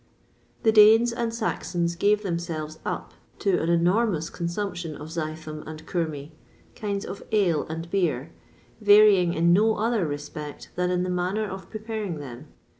[XXVI 16] The Danes and Saxons gave themselves up to an enormous consumption of zythum and curmi, kinds of ale and beer, varying in no other respect than in the manner of preparing them.